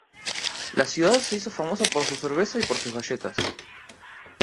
La ciudad se hizo famosa por su cerveza y por sus galletas.